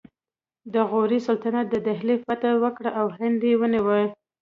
د غوري سلطنت د دهلي فتحه وکړه او هند یې ونیو